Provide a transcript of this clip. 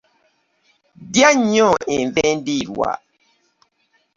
Lya nnyo enva endirwa.